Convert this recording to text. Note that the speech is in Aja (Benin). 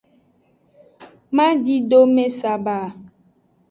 Madidome saba.